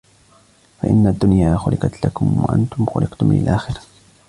فَإِنَّ الدُّنْيَا خُلِقَتْ لَكُمْ وَأَنْتُمْ خُلِقْتُمْ لِلْآخِرَةِ